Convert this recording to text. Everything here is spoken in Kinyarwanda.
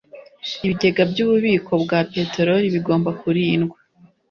ibigega by’ububiko bwa peteroli bigomba kurindwa